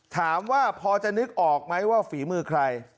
ถามว่าพอจะนึกออกไหมว่าฝีมือใคร